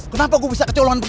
kenapa gua bisa kecolongan begini